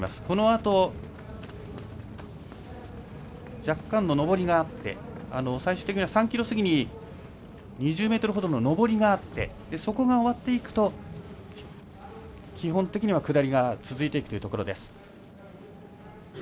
このあと、若干の上りがあって最終的には３ｋｍ過ぎに２０ｍほどの上りがあってそこが終わっていくと基本的には下りが続くというところです。